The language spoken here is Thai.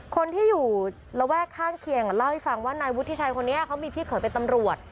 คนที่อยู่ระแวกข้างเคียงเล่าให้ฟังว่านายวุฒิชัยคนนี้เขามีพี่เขยเป็นตำรวจ